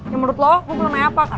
ya menurut lu gue penuh nanya apa kan